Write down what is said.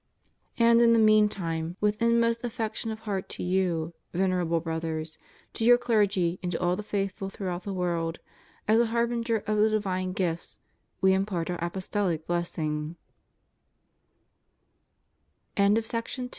And in the meantime, with inmost affection of heart to you, Venerable Brothers, to your clergy and to all the faithful throughout the world, as a harbinger of the divine gifts, We impart